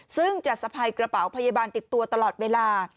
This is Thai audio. ซึ่งจะสะพายกระเป๋าพยาบาลติดตัวตลอดเวลา